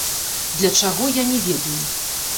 Для чаго, я не ведаю.